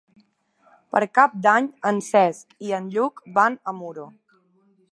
Per Cap d'Any en Cesc i en Lluc van a Muro.